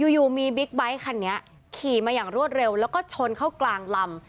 อยู่มีบิ๊กไบท์คันนี้ขี่มาอย่างรวดเร็วแล้วก็ชนเข้ากลางลำ